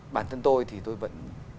bản thân tôi thì tôi vẫn